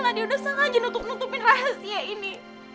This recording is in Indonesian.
tadi udah sengaja nutup nutupin rahasia ini